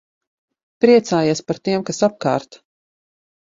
Priecājies par tiem, kas apkārt.